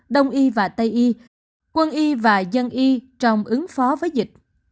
đông y và tây y quân y và dân y trong ứng phó với dịch